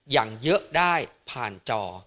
อย่างเยอะได้ผ่านจอ